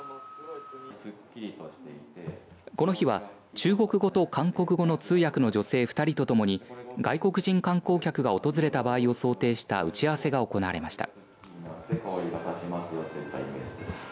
この日は、中国語と韓国語の通訳の女性２人とともに外国人観光客が訪れた場合を想定した打ち合わせが行われました。